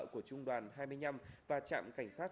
của trung đoàn hai mươi năm và trạm cảnh sát